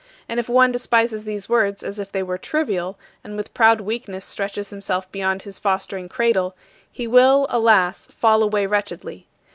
And if one despises these words as if they were trivial, and with proud weakness stretches himself beyond his fostering cradle, he will, alas, fall away wretchedly.